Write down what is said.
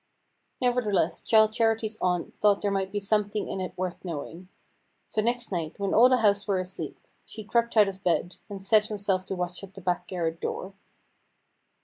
Nevertheless Childe Charity's aunt thought there might be something in it worth knowing; so next night, when all the house were asleep, she crept out of bed, and set herself to watch at the back garret door.